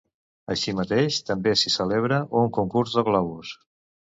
Així mateix, també s'hi celebra un concurs de globus.